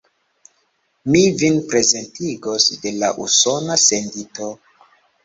Mi vin prezentigos de la Usona sendito.